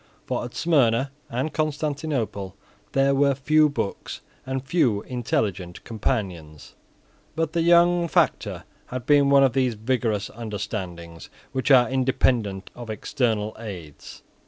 For at Smyrna and Constantinople there were few books and few intelligent companions. But the young factor had one of those vigorous understandings which are independent of external aids.